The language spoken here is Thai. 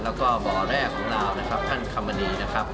แล้วก็บ่อแรกของเราท่านคำมณี